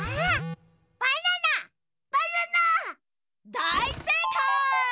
だいせいかい！